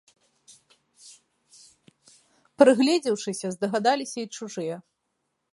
Прыгледзеўшыся, здагадаліся і чужыя.